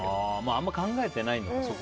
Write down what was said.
あんま考えてないんだ。